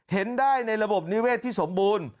เห็นได้ในระบบนิเวศที่สมบูรณ์